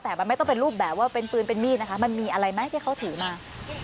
แต่มันไม่ต้องเป็นรูปแบบว่าเป็นปืนเป็นมีดนะคะมันมีอะไรไหมที่เขาถือมา